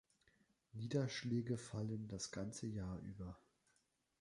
Niederschläge fallen das ganze Jahr über.